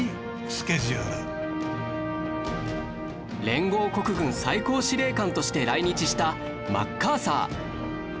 連合国軍最高司令官として来日したマッカーサー